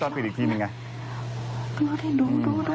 ไหนคลิป